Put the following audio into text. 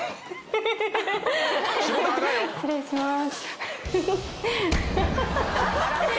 「失礼します」